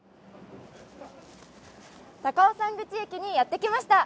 高尾山口にやってきました。